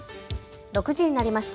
６時になりました。